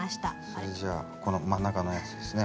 それじゃあこの真ん中のやつですねまずね。